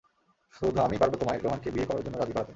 শুধু আমিই পারবো তোমায়, রোহানকে বিয়ে করার জন্য রাজি করাতে।